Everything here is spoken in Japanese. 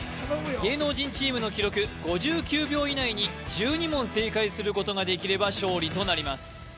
芸能人チームの記録５９秒以内に１２問正解することができれば勝利となります